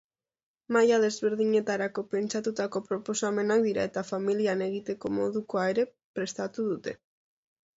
Maila desberdinetarako pentsatutako proposamenak dira eta familian egiteko modukoa ere prestatu dute.